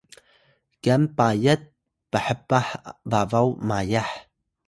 kyan payat phpah babaw mayah